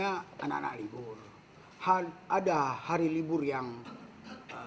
untuk memudahkan pelayanan kantor imigrasi jakarta utara beberapa waktu lalu juga telah membuka pelayanan pembuatan paspor secara online